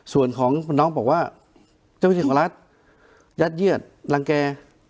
ส่วนของน้องบอกว่าเจ้าหน้าที่ของรัฐยัดเยียดรังแก่